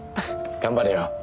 頑張れよ。